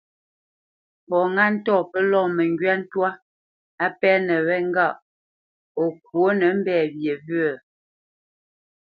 Fɔ ŋâ ntɔ̂ pə́ lɔ̂ məngywá ntwá á pɛ́nə wé ŋgâʼ o ŋkwǒ nə mbɛ̂ wye wyə̂?